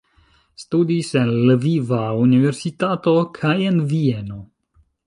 Studis en Lviva Universitato kaj en Vieno.